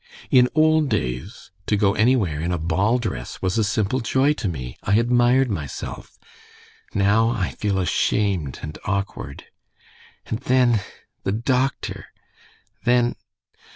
In old days to go anywhere in a ball dress was a simple joy to me, I admired myself; now I feel ashamed and awkward. And then! The doctor.... Then...."